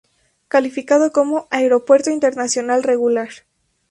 Calificado como "Aeropuerto Internacional Regular".